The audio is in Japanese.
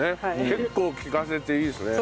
結構利かせていいですね。